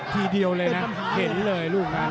ทีเดียวเลยนะเห็นเลยลูกนั้น